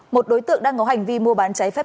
một đối tượng đang có hành vi mua bán trái phép